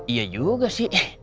iya juga sih